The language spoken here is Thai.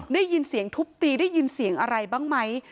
ได้ยินเสียงทุบตีได้ยินเสียงอะไรบ้างไหม